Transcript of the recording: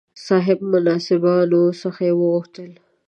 صاحب منصبانو څخه یې وغوښتل.